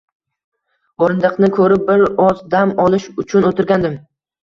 O`rindiqni ko`rib, bir oz dam olish uchun o`tirgandim